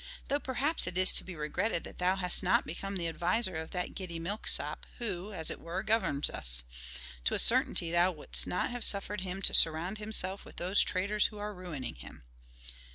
though perhaps it is to be regretted that thou hast not become the adviser of that giddy milksop, who, as it were, governs us. To a certainty thou wouldst not have suffered him to surround himself with those traitors who are ruining him."